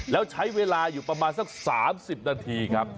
แล้วใช้เวลาอยู่ประมาณสักสามสิบนาที